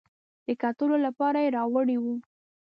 د کتلو لپاره یې راوړې وه.